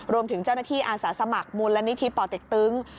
รวมถึงเจ้าหน้าที่อาสาสมัครมูลนิธิป่อเต็กตึง